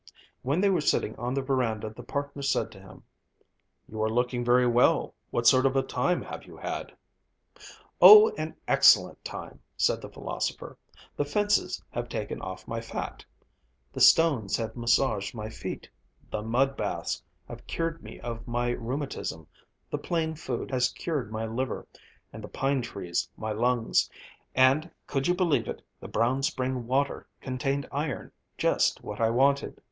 When they were sitting on the verandah, the partner said to him: "You are looking very well, what sort of a time have you had?" "Oh! an excellent time!" said the philosopher. "The fences have taken off my fat; the stones have massaged my feet; the mud baths have cured me of my rheumatism; the plain food has cured my liver, and the pine trees my lungs; and, could you believe it, the brown spring water contained iron, just what I wanted!"